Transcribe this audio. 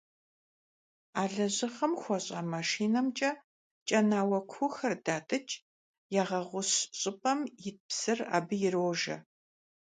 А лэжьыгъэм хуэщӀа машинэмкӀэ кӀэнауэ куухэр датӀыкӀ, ягъэгъущ щӀыпӀэм ит псыр абы ирожэ.